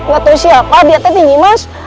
gatau siapa dia tadi nih mas